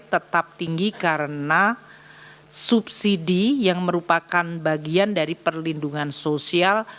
tetap tinggi karena subsidi yang merupakan bagian dari perlindungan sosial